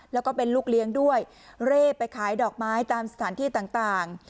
แล้วก็เป็นลูกเลี้ยงด้วยเร่ไปขายดอกไม้ตามสถานที่ต่าง